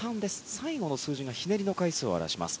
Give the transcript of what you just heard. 最後の数字がひねりの回数を表します。